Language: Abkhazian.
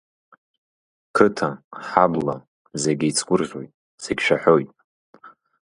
Қыҭа, ҳабла, зегь еицгәрӷьоит, зегь шәаҳәоит.